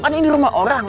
kan ini rumah orang